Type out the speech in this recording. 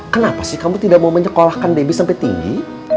kenapa sih kamu tidak mau menyekolahkan debbie sampai tinggi